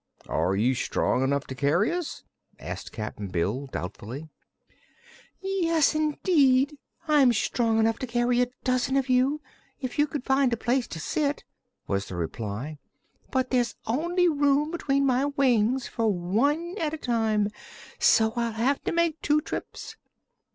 "Are you strong enough to carry us?" asked Cap'n Bill, doubtfully. "Yes, indeed; I'm strong enough to carry a dozen of you, if you could find a place to sit," was the reply; "but there's only room between my wings for one at a time, so I'll have to make two trips."